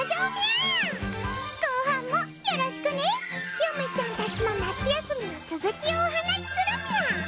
ゆめちゃんたちの夏休みの続きをお話するみゃ。